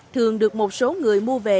thường được một số người mua về